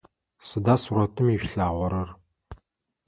Сыда сурэтым ишъулъагъорэр?